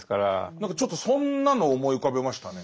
何かちょっとそんなのを思い浮かべましたね。